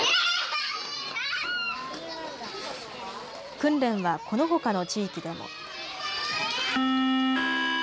訓練はこのほかの地域でも。